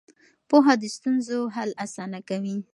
پوهه د ستونزو حل اسانه کوي.